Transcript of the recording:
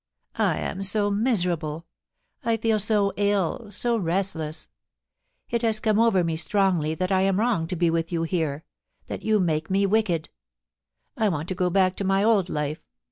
I am so miserable. I feel so ill — so restless. It has come over me strongly that I am wrong to be with you here — that you make me wicked. I want to go back to my old life.